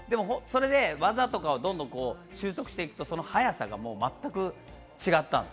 技とかをどんどん習得していくと、その早さが全く違ったんです。